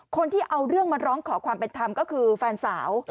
คนที่เอาเรื่องมาร้องขอความเป็นธรรมก็คือแฟนสาว